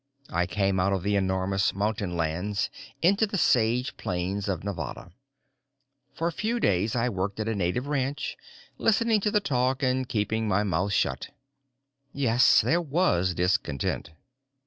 I came out of the enormous mountainlands into the sage plains of Nevada. For a few days I worked at a native ranch, listening to the talk and keeping my mouth shut. Yes, there was discontent!